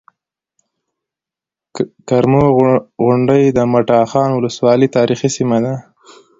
کرمو غونډۍ د مټاخان ولسوالۍ تاريخي سيمه ده